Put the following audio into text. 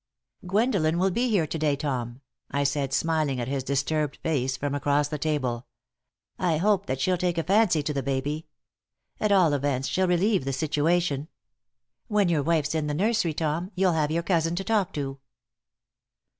"Gwendolen will be here to day, Tom," I said, smiling at his disturbed face from across the table. "I hope that she'll take a fancy to the baby. At all events, she'll relieve the situation. When your wife's in the nursery, Tom, you'll have your cousin to talk to."